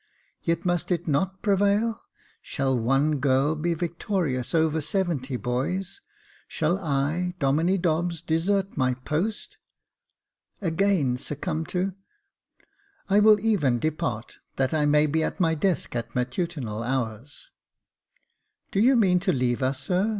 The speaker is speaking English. Yet must it not prevail ? Shall one girl be victorious over seventy boys ? Shall I, Domine Dobbs, desert my post? Again succumb to I will even depart, that I may be at my desk at matutinal hours." " You don't mean to leave us, sir